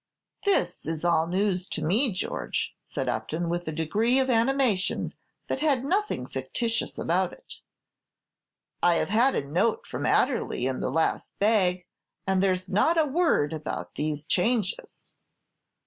"This is all news to me, George," said Upton, with a degree of animation that had nothing fictitious about it; "I have had a note from Adderley in the last bag, and there's not a word about these changes."